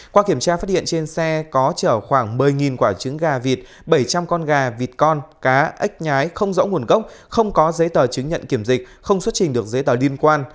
qua kiểm tra phát hiện trên xe có chở khoảng một mươi quả trứng gà vịt bảy trăm linh con gà vịt con cá ếch nhái không rõ nguồn gốc không có giấy tờ chứng nhận kiểm dịch không xuất trình được giấy tờ liên quan